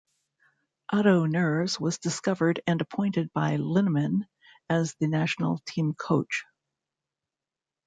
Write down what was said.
Otto Nerz was discovered and appointed by Linnemann as the national team coach.